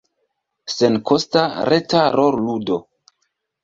Senkosta, reta rolludo.